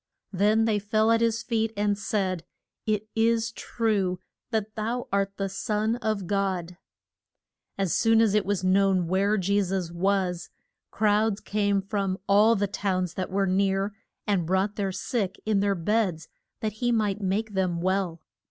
Then they fell at his feet, and said, It is true that thou art the Son of God. [Illustration: CHRIST WALK ING ON THE SEA.] As soon as it was known where Je sus was, crowds came from all the towns that were near, and brought their sick in their beds that he might make them well.